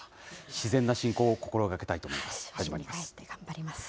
自然な進行を心がけたいと思います。